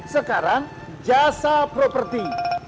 sekarang jasa properti